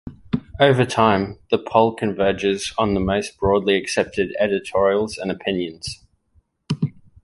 Overtime, the poll converges on the most broadly accepted editorials and opinions.